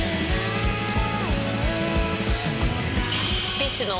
ＢｉＳＨの。